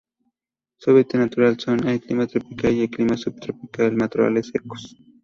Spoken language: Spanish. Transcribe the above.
Su hábitat natural son: Clima tropical o Clima subtropical, matorrales secos.